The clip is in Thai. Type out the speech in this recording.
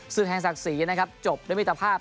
ซึ่งแห่งศักดิ์ศรีนะครับจบด้วยมิตรภาพ